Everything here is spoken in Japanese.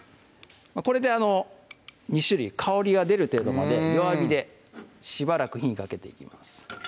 これで２種類香りが出る程度まで弱火でしばらく火にかけていきます